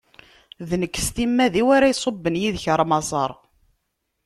D nekk, s timmad-iw, ara iṣubben yid-k ɣer Maṣer.